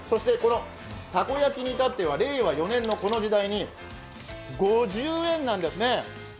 この、たこ焼きにいたっては令和４年のこの時代に５０円なんですね。